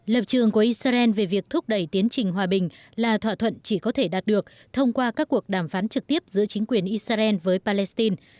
lập trường của israel về việc thúc đẩy tiến trình hòa bình là thỏa thuận chỉ có thể đạt được thông qua các cuộc đàm phán trực tiếp giữa chính quyền israel với palestine